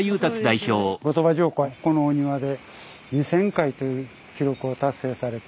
後鳥羽上皇はこのお庭で２，０００回という記録を達成されています。